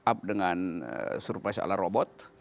up dengan surprise ala robot